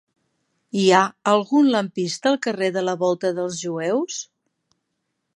Hi ha algun lampista al carrer de la Volta dels Jueus?